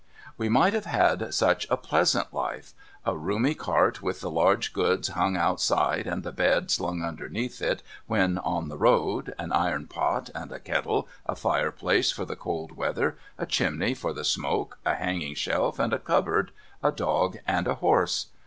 We might have had such a pleasant life ! A roomy cart, with the large goods hung outside, and the bed slung underneath it when on the road, an iron pot and a kettle, a fireplace for the cold weather, a chimney for the smoke, a hanging shelf and a cui)board, a dog and a horse.